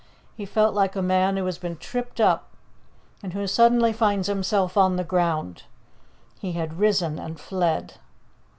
He felt like a man who has been tripped up and who suddenly finds himself on the ground. He had risen and fled.